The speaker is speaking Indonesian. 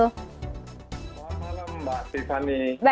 selamat malam mbak tiffany